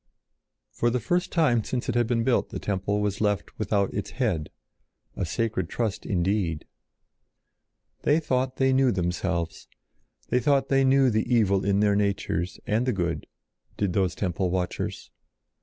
For the first time since it had been built the temple was left without its head—a sacred trust indeed. They thought they knew themselves; they thought they knew the evil in their natures, and the good, did those temple watchers.